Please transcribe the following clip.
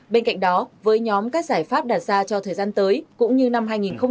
bên cạnh đó với nhóm các giải pháp đạt ra cho thời gian tới cũng như năm hai nghìn hai mươi